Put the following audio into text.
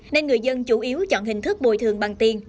nên người dân chủ yếu chọn hình thức bồi thường bằng tiền